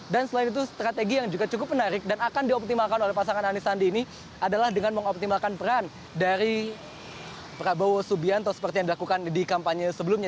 dan selain itu strategi yang juga cukup menarik dan akan dioptimalkan oleh pasangan anies sandi ini adalah dengan mengoptimalkan peran dari prabowo subianto seperti yang dilakukan di kampanye sebelumnya